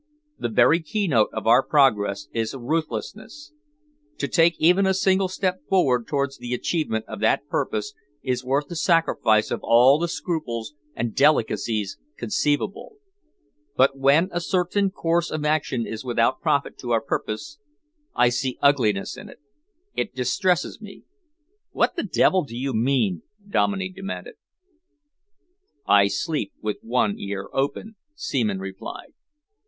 The very keynote of our progress is ruthlessness. To take even a single step forward towards the achievement of that purpose is worth the sacrifice of all the scruples and delicacies conceivable. But when a certain course of action is without profit to our purpose, I see ugliness in it. It distresses me." "What the devil do you mean?" Dominey demanded. "I sleep with one ear open," Seaman replied.